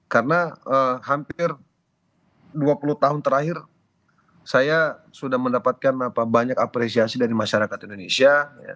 karena hampir dua puluh tahun terakhir saya sudah mendapatkan banyak apresiasi dari masyarakat indonesia